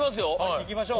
いきましょう。